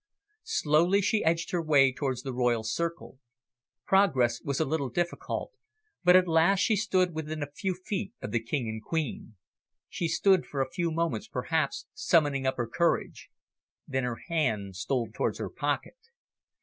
Slowly, she edged her way towards the Royal circle. Progress was a little difficult, but at last she stood within a few feet of the King and Queen. She stood for a few moments, perhaps summoning up her courage. Then her hand stole towards her pocket.